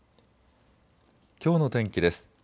きょうの天気です。